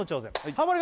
ハモリ